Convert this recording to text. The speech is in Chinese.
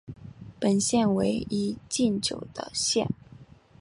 本县为一禁酒的县。